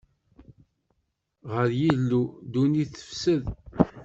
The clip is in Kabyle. Ɣer Yillu, ddunit tefsed;